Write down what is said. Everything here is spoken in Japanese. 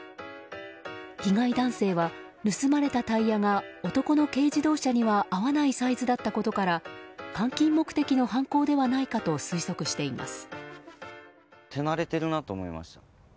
被害男性は、盗まれたタイヤが男の軽自動車には合わないサイズだったことから換金目的の犯行ではないかと推測しています。